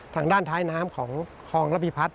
ทางด้านท้ายน้ำของคลองระพิพัฒน